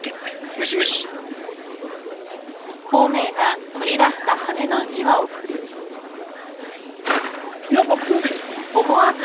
無視無視やっぱ孔明じゃん！